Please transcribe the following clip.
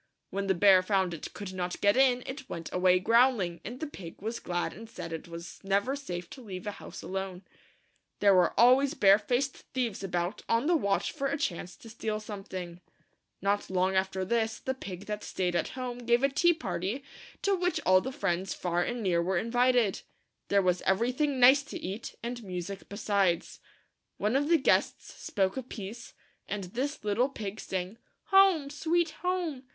When the bear found it could not get in, it went away growling, and the pig was glad and said it was never safe to leave a house alone. There were always bare faced THE FIVE LITTLE PIGS. 156 HOME PIG THE FIVE LITTLE PIGS. thieves about, on the watch for a chance to steal something. Not long after this, the pig that staid at home gave a tea party, to which all the friends far and near were invited. There was every thing nice to eat, and music besides. One of the guests spoke a piece, and this little pig sang " Home! sweet Home!"